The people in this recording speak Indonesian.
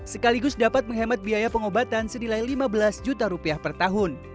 sekaligus dapat menghemat biaya pengobatan senilai lima belas juta rupiah per tahun